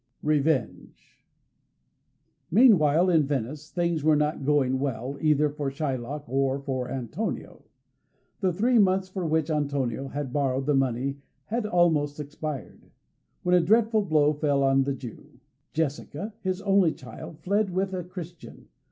"Revenge!" Meanwhile, in Venice, things were not going well, either for Shylock or for Antonio. The three months for which Antonio had borrowed the money had almost expired, when a dreadful blow fell on the Jew. Jessica, his only child, fled with a Christian.